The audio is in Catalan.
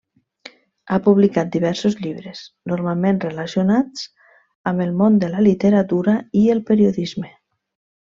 Ha publicat diversos llibres, normalment relacionats amb el món de la literatura i el periodisme.